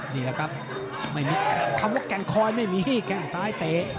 นี่แหละครับไม่มีคำว่าแก่งคอยไม่มีแข้งซ้ายเตะ